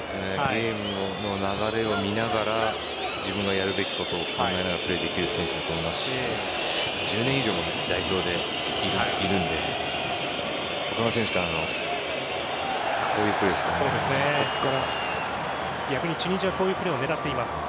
ゲームの流れを見ながら自分がやるべきことを考えながらプレーできる選手だと思いますし１０年以上も代表でいるので他の選手からの。こういうプレーですね。